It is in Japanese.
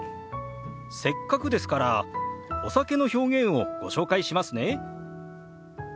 せっかくですからお酒の表現をご紹介しますね。